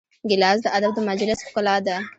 ګیلاس د ادب د مجلس ښکلا ده.